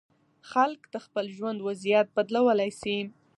خلک د خپل ژوند وضعیت بدلولی سي.